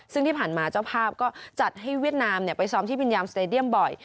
ซึ่งที่ผ่านมาเจ้าภาพก็จัดให้เวียดนามไปซ้อมที่วิญญาณสเตดียมบ่อย